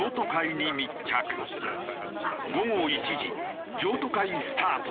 午後１時譲渡会スタート。